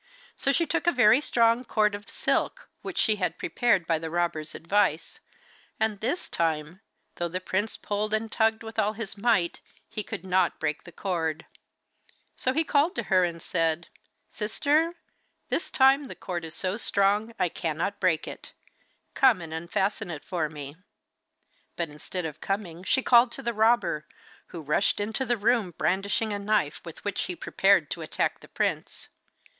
So she took a very strong cord of silk, which she had prepared by the robber's advice, and this time, though the prince pulled and tugged with all his might, he could not break the cord. So he called to her and said: 'Sister, this time the cord is so strong I cannot break it. Come and unfasten it for me.' But instead of coming she called to the robber, who rushed into the room brandishing a knife, with which he prepared to attack the prince.